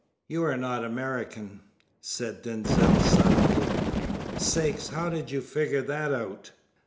"You are not American?" said Denzil suddenly. "Sakes! How do you figure that out?"